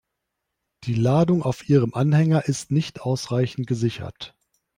Die Ladung auf Ihrem Anhänger ist nicht ausreichend gesichert.